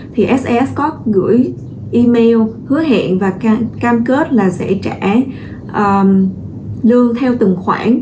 thì sas có gửi email hứa hẹn và cam kết là sẽ trả lương theo từng khoản